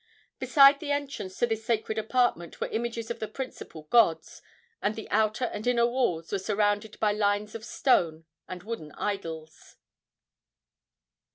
Beside the entrance to this sacred apartment were images of the principal gods, and the outer and inner walls were surmounted by lines of stone and wooden idols.